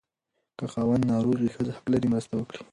که خاوند ناروغ وي، ښځه حق لري مرسته وکړي.